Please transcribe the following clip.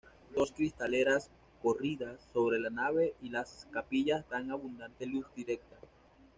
Dos cristaleras, corridas, sobre la nave y las capillas dan abundante luz directa.